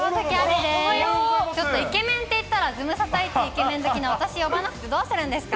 ちょっとイケメンって言ったら、ズムサタいちイケメン好きな私、山崎を呼ばなくてどうするんですか？